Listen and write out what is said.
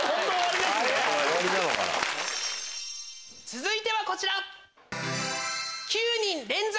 続いてはこちら！